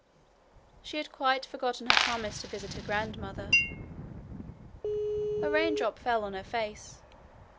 She had quite forgotten her promise to visit her grandmother. A raindrop fell on her face.